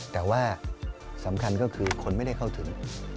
แต่ว่าสำคัญก็คือคนไม่ได้เข้าถึง